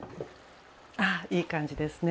ああいい感じですね。